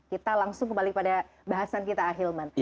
kita langsung kembali pada bahasan kita ahilman